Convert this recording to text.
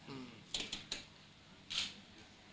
อืม